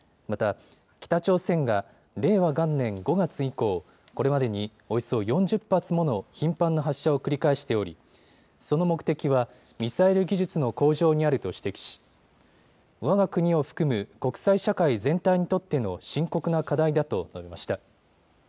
また、北朝鮮が令和元年５月以降、これまでにおよそ４０発もの頻繁な発射を繰り返しておりその目的はミサイル技術の向上にあると指摘しわが国を含む国際社会全体にとっての深刻な課題だと述べました。